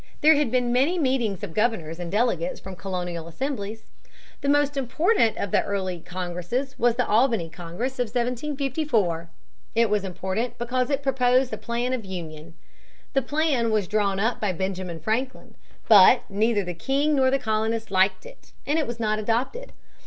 There had been many meetings of governors and delegates from colonial assemblies. The most important of the early congresses was the Albany Congress of 1754. It was important because it proposed a plan of union. The plan was drawn up by Benjamin Franklin. But neither the king nor the colonists liked it, and it was not adopted.